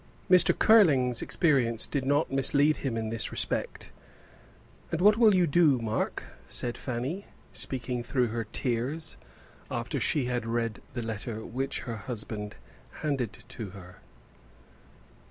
Mr. Curling's experience did not mislead him in this respect. "And what will you do, Mark?" said Fanny, speaking through her tears, after she had read the letter which her husband handed to her.